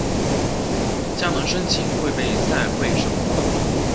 加盟申请会被赛会审核。